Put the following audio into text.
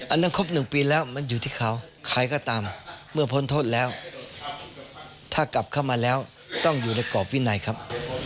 นั้นครบ๑ปีแล้วมันอยู่ที่เขาใครก็ตามเมื่อพ้นโทษแล้วถ้ากลับเข้ามาแล้วต้องอยู่ในกรอบวินัยครับ